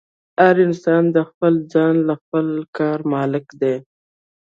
هر انسان د خپل ځان او خپل کار مالک دی.